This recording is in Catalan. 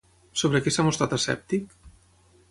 Sobre què s'ha mostrat escèptic?